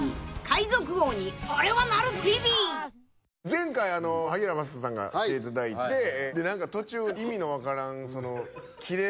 前回萩原聖人さんが来ていただいて途中意味の分からんキレる